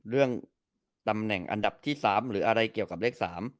เรื่องตำแหน่งอันดับที่๓หรืออะไรเกี่ยวกับเลข๓